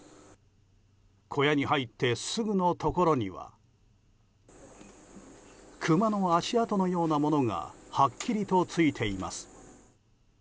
小屋に入ってすぐのところにはクマの足跡のようなものがはっきりとついています。